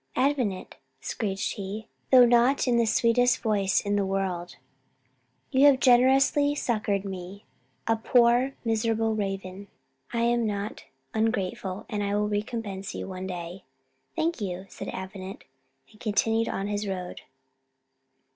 "Avenant," screeched he, though not in the sweetest voice in the world; "you have generously succoured me, a poor miserable raven. I am not ungrateful, and I will recompense you one day. "Thank you," said Avenant, and continued his road.